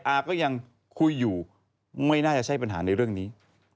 อาก็ยังคุยอยู่ไม่น่าจะใช่ปัญหาในเรื่องนี้